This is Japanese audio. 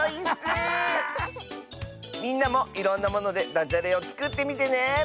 みんなもいろんなものでだじゃれをつくってみてね！